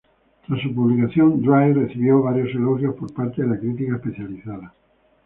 Tras su publicación, "Dry" recibió varios elogios por parte de la crítica especializada.